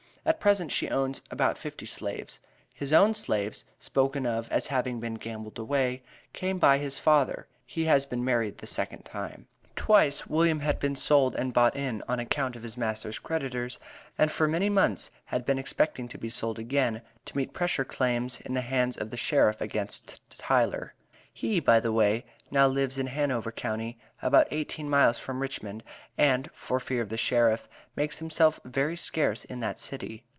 At present she owns about fifty slaves. His own slaves, spoken of as having been gambled away, came by his father he has been married the second time." Twice William had been sold and bought in, on account of his master's creditors, and for many months had been expecting to be sold again, to meet pressing claims in the hands of the sheriff against Tyler. He, by the way, "now lives in Hanover county, about eighteen miles from Richmond, and for fear of the sheriff, makes himself very scarce in that city."